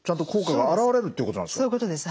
そういうことです。